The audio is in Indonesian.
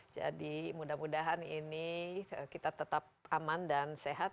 jadi mudah mudahan ini kita tetap aman dan sehat